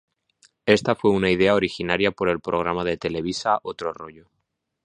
Esta fue una idea originaria por el programa de Televisa, Otro Rollo.